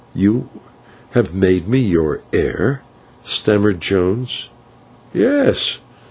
"You have made me your heir!" stammered Jones. "Yes.